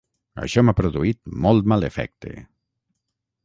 Això m'ha produït molt mal efecte.